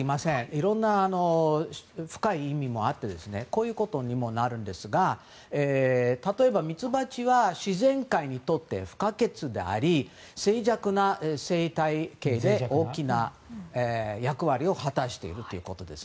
いろんな深い意味もあって例えばミツバチは自然界にとって不可欠であり脆弱な生態系で大きな役割を果たしているということです。